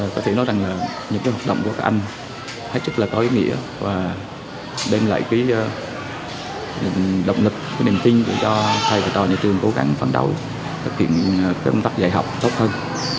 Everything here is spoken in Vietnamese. có thể nói rằng là những hoạt động của các anh hết sức là có ý nghĩa và đem lại cái động lực cái niềm tin để cho thầy và trò nhà trường cố gắng phấn đấu thực hiện công tác dạy học tốt hơn